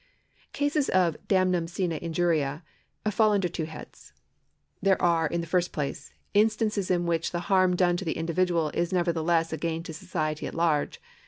Cases of damnum sine injuria fall under two heads. There are, in the first place, instances in which the harm done to the individual is nevertheless a gain to society at large.